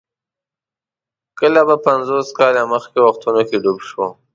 کله به پنځوس کاله مخکې وختونو کې ډوب شو.